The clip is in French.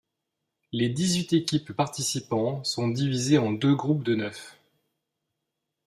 Les dix-huit équipes participants sont divisées en deux groupes de neuf.